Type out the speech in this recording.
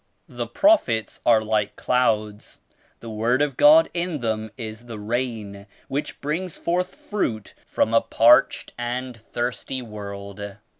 The Prophets are like clouds ; die Word of God in them is the rain which brings forth fruit from a parched and thirsty world.